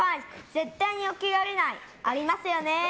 絶対に起きられない。ありますよね。